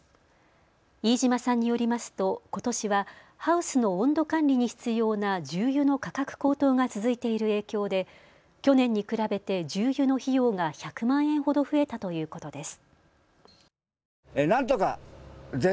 飯島さんによりますと、ことしはハウスの温度管理に必要な重油の価格高騰が続いている影響で去年に比べて重油の費用が１００万円ほど増えたということです。